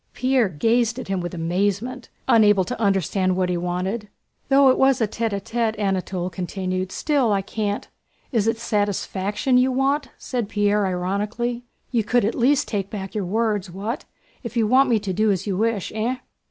Pierre glanced at him with amazement, unable to understand what he wanted. "Though it was tête à tête," Anatole continued, "still I can't..." "Is it satisfaction you want?" said Pierre ironically. "You could at least take back your words. What? If you want me to do as you wish, eh?"